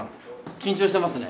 緊張してますね。